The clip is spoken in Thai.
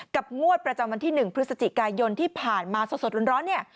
งวดประจำวันที่๑พฤศจิกายนที่ผ่านมาสดร้อนเนี่ย